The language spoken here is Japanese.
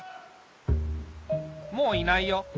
もういないよ。